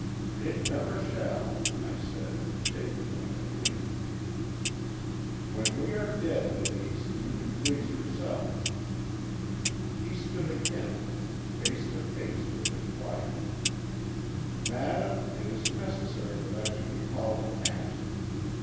"'It never shall,' I said, shaking like a leaf. "'When we are dead, Denise, you can please yourself.' He stood again face to face with his wife. 'Madame, it is necessary that I should recall the past.